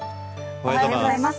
おはようございます。